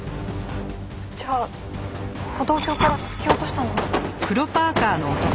じゃあ歩道橋から突き落としたのも。